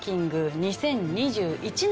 ２０２１年。